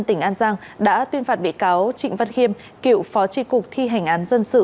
tỉnh an giang đã tuyên phạt bị cáo trịnh văn khiêm cựu phó tri cục thi hành án dân sự